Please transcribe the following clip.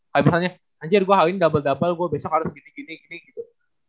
kayak misalnya aja gue hal ini double double gue besok harus gini gini gitu